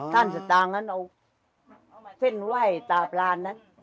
สตางค์นั้นเอาเส้นไหว้ตาปลานนะ